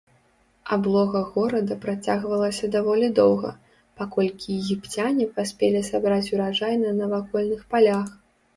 Аблога горада працягвалася даволі доўга, паколькі егіпцяне паспелі сабраць ураджай на навакольных палях.